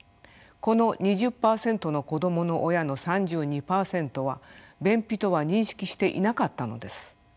この２０％の子どもの親の３２％は便秘とは認識していなかったのです。